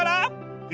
え？